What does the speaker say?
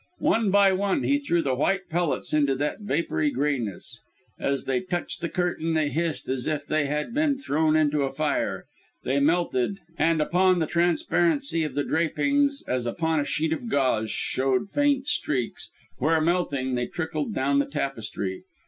One by one he threw the white pellets into that vapoury greyness. As they touched the curtain, they hissed as if they had been thrown into a fire; they melted; and upon the transparency of the drapings, as upon a sheet of gauze, showed faint streaks, where, melting, they trickled down the tapestry.